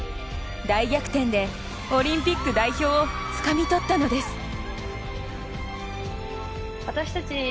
大逆転でオリンピック代表をつかみ取ったのです！